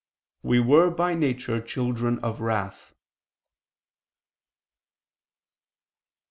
. were by nature children of wrath."